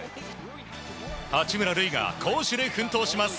八村塁が攻守で奮闘します。